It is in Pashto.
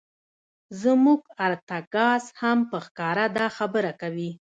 زموږ ارتکاز هم په ښکاره دا خبره کوي.